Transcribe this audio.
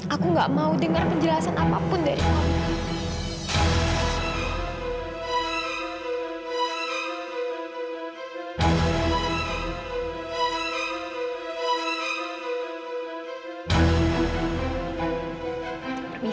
aku gak mau dengar penjelasan apapun dari aku